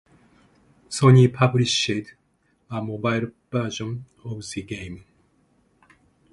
Sony published a mobile version of the game.